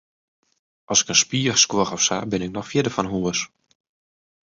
As ik in spier skuor of sa, bin ik noch fierder fan hûs.